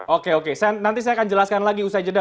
oke oke nanti saya akan jelaskan lagi usai jeda